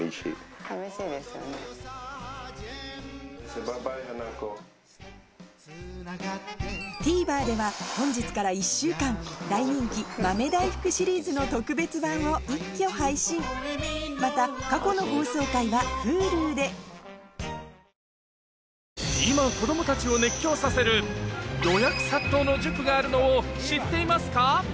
スペシャルでＴＶｅｒでは本日から１週間大人気豆大福シリーズの特別版を一挙配信また過去の放送回はＨｕｌｕで今子供たちを熱狂させる予約殺到の塾があるのを知っていますか？